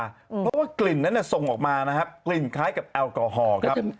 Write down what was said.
เพราะว่ากลิ่นนั้นส่งออกมานะครับกลิ่นคล้ายกับแอลกอฮอล์ครับ